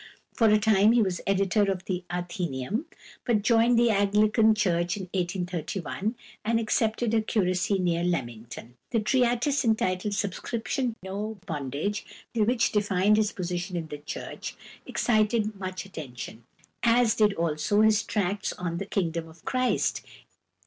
For a time he was editor of the Athenæum, but joined the Anglican Church in 1831, and accepted a curacy near Leamington. A treatise entitled "Subscription no Bondage," which defined his position in the Church, excited much attention, as did also his tracts on the "Kingdom of Christ."